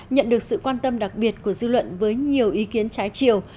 nhận được sự quan tâm đặc biệt của dư luận với nhiều ý kiến trái chiều